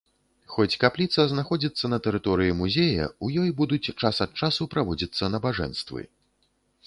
Хоць капліца знаходзіцца на тэрыторыі музея, у ёй будуць час ад часу праводзіцца набажэнствы.